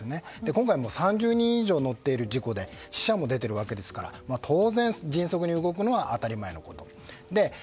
今回、３０人以上が乗っている事故で死者も出ていますから当然、迅速に動くのは当たり前のこと。